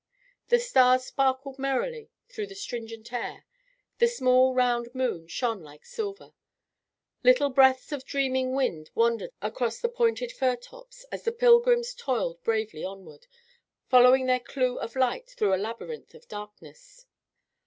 The stars sparkled merrily through the stringent air; the small, round moon shone like silver; little breaths of dreaming wind wandered across the pointed fir tops, as the pilgrims toiled bravely onward, following their clew of light through a labyrinth of darkness.